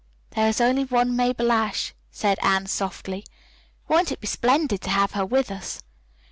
"There is only one Mabel Ashe," said Anne softly. "Won't it be splendid to have her with us?"